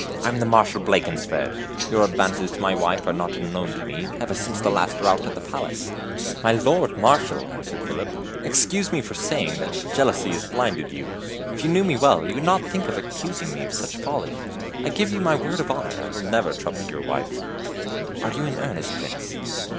I am the Marshal Blankenswerd. Your advances to my wife are not unknown to me, ever since the last rout at the palace." "My Lord Marshal," answered Philip, "excuse me for saying that jealousy has blinded you. If you knew me well, you would not think of accusing me of such folly. I give you my word of honor I will never trouble your wife." "Are you in earnest, Prince?"